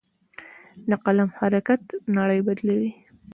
د قلم حرکت نړۍ بدلوي.